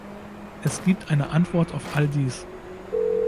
Es gibt eine Antwort auf all dies.